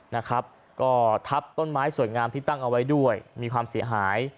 นะครับก็ทับต้นไม้สวยงามที่ตั้งเอาไว้ด้วยมีความเสียหาย